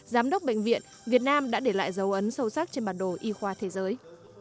giám đốc bệnh viện việt nam đã để lại dấu ấn sâu sắc trên bản đồ y khoa thế giới